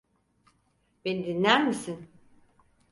Beni dinler misin?